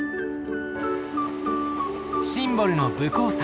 シンボルの武甲山。